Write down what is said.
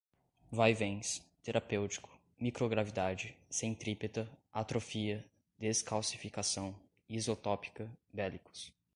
vaivéns, terapêutico, microgravidade, centrípeta, atrofia, descalcificação, isotópica, bélicos